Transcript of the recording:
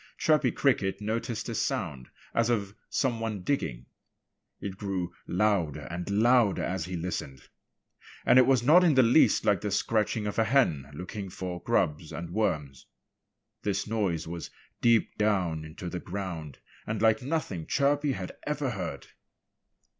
Chirpy Cricket noticed a sound as of some one digging. It grew louder and louder as he listened. And it was not in the least like the scratching of a hen, looking for grubs and worms. This noise was deep down in the ground and like nothing Chirpy had ever heard.